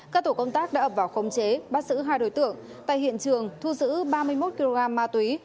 các tổ công tác đã ập vào khống chế bắt xử hai đối tượng tại hiện trường thu giữ ba mươi một kg ma túy